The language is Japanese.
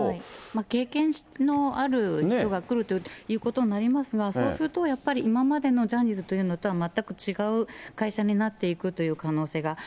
経験のある人が来るということになりますが、そうするとやっぱり今までのジャニーズというのは全く違う会社になっていくという可能性が。